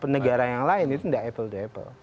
negara yang lain itu tidak apple to apple